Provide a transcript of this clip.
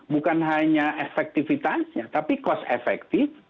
bukan hanya efektivitasnya tapi cost efektif